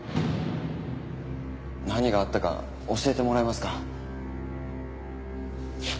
何があったか教えてもらえますか？